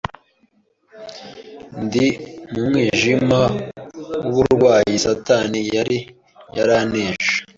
ndi mu mwijima w’uburwayi satani yari yaranteje,